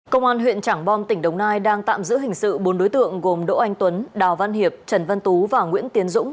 công an huyện trảng bom tỉnh đồng nai đang tạm giữ hình sự bốn đối tượng gồm đỗ anh tuấn đào văn hiệp trần văn tú và nguyễn tiến dũng